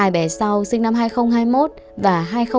hai bé sau sinh năm hai nghìn hai mươi một và hai nghìn hai mươi